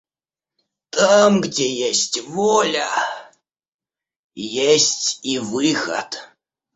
Там, где есть воля, есть и выход.